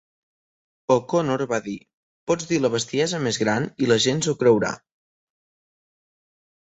O'Connor va dir: "Pots dir la bestiesa més gran i la gent s'ho creurà".